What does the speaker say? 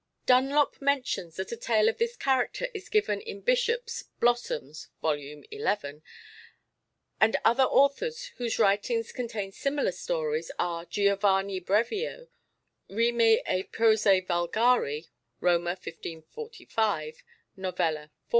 Dunlop mentions that a tale of this character is given in Byshop's Blossoms (vol. xi.); and other authors whose writings contain similar stories are: Giovani Brevio, Rime e Prose vulgari, Roma, 1545 (Novella iv.)